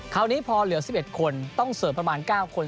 คราวนี้พอเหลือ๑๑คนต้องเสริมประมาณ๙คน